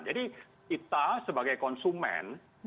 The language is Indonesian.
jadi kita sebagai konsumen